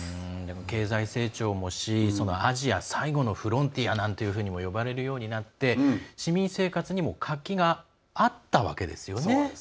経済成長もしてアジア最後のフロンティアなどと呼ばれるようになって市民生活にも活気があったわけですよね。